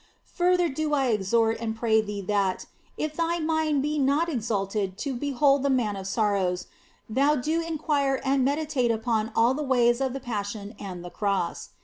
Further do I exhort and pray thee that, if thy mind be not exalted to behold the Man of Sorrows, thou do inquire and meditate upon all the ways of the Passion and the Cross.